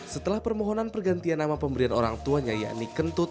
setelah permohonan pergantian nama pemberian orang tuanya yakni kentut